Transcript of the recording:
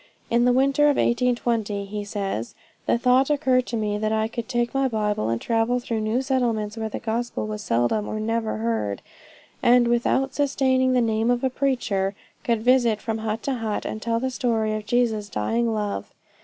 "In the winter of 1820," he says, "the thought occurred to me that I could take my Bible, and travel through new settlements where the Gospel was seldom or never heard, and without sustaining the name of a preacher, could visit from hut to hut, and tell the story of Jesus' dying love.